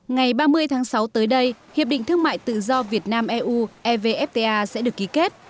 ngày ba mươi tháng sáu tới đây hiệp định thương mại tự do việt nam eu evfta sẽ được ký kết